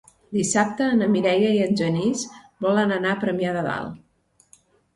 Dissabte na Mireia i en Genís volen anar a Premià de Dalt.